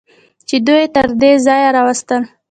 چې دوی یې تر دې ځایه راوستل.